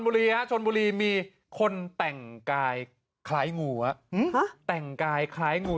ใครที่ชนบุรีมีคนแต่งกายคล้ายงู